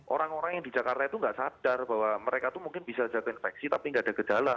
orang orang yang di jakarta itu nggak sadar bahwa mereka itu mungkin bisa jatuh infeksi tapi nggak ada gejala